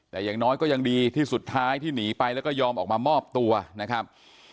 แต่อย่างน้อยก็ยังดีที่สุดท้ายที่หนีไปแล้วก็ยอมออกมามอบตัวนะครับ